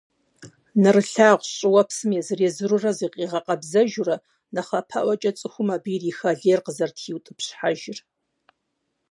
НэрылъагъущӀ щӀыуэпсым езыр-езыру зигъэкъэбзэжурэ, нэхъапэӀуэкӀэ цӀыхум абы ириха лейр къызэрытхиутӀыпщхьэжыр.